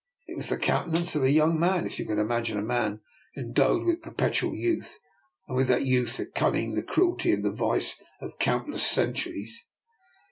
It was the countenance of a young man, if you can imagine a man endowed with perpetual youth, and with that youth the cun ning, the cruelty, and the vice of countless centuries.